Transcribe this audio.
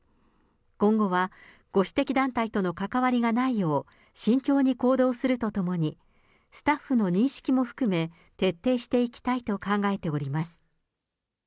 今後はご指摘団体との関わりがないよう、慎重に行動するとともに、スタッフの認識も含め、徹底していきたいと考えております。